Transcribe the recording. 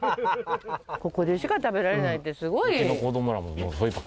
ここでしか食べられないってすごい。